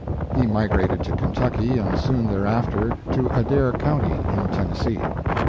He migrated to Kentucky and soon thereafter to Adair county, in Ten nessee.